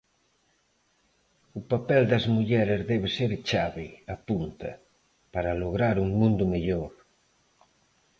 O papel das mulleres debe ser chave, apunta, para lograr un mundo mellor.